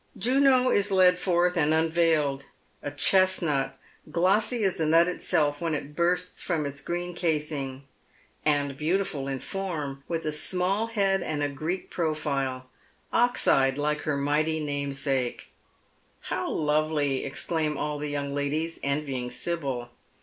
Juno is led forth and unveiled — a chesnut, glossy as the nut itself when it bursts from its green casing, and beautiful in form, with a small head and a Greek profile — ox eyed like her Blighty namesake. •• How lovely 1 " exclaim all the young ladies, envying Sibyl.